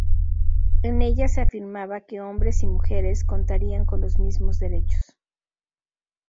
En ella se afirmaba que hombres y mujeres contarían con los mismos derechos.